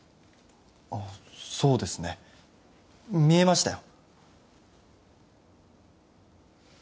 あそうですね見えましたよ